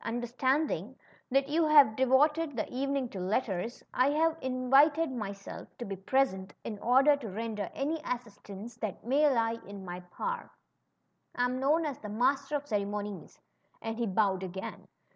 Understanding that you had devoted the evening to letters^ I have invited myself to be present^ in order to render any assistance that may lie in my power. I am known as the Master of Ceremonies/' and he bowed again.